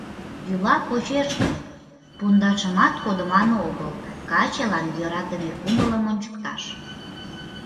Йӱла почеш гын — пундашымат кодыман огыл: качылан йӧратыме кумылым ончыкташ.